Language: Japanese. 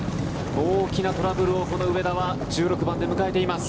大きなトラブルをこの上田は１６番で迎えています。